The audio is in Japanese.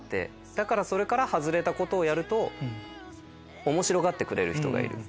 だからそれから外れたことをやると面白がってくれる人がいる。